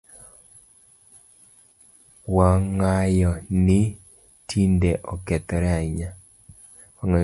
Wangayoo ni tinde okethoree ahinya